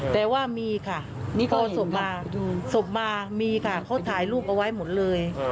แต่ว่ามีค่ะโทรศพมาทานรูปเอาไว้หมดเลย